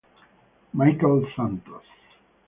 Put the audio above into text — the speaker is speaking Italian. Michael Santos